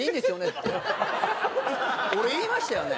俺言いましたよね。